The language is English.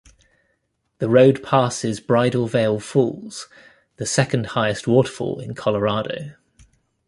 The road passes Bridal Veil Falls, the second highest waterfall in Colorado.